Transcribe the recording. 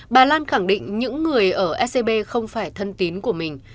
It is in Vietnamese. bà lan khẳng định những người ở ecb không phải thân tín của mình